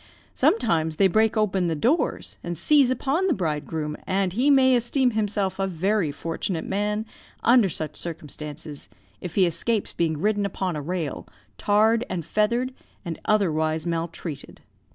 Sometimes they break open the doors, and seize upon the bridegroom; and he may esteem himself a very fortunate man, under such circumstances, if he escapes being ridden upon a rail, tarred and feathered, and otherwise maltreated.